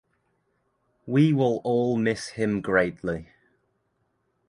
We will all miss him greatly.